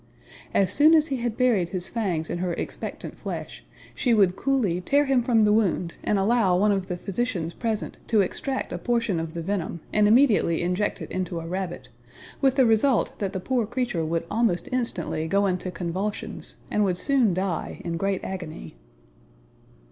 As soon as he had buried his fangs in her expectant flesh, she would coolly tear him from the wound and allow one of the physicians present to extract a portion of the venom and immediately inject it into a rabbit, with the result that the poor creature would almost instantly go into convulsions and would soon die in great agony.